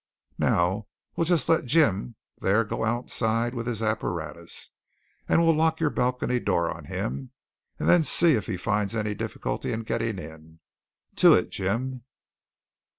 Now we'll just let Jim there go outside with his apparatus, and we'll lock your balcony door on him, and then see if he finds any difficulty in getting in. To it, Jim!"